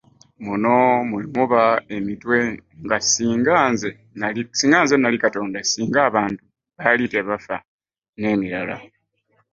Muno mwe muba emitwe nga, “Singa nze nnali Katonda’, “Singa abantu baali tebafa”, n’emirala.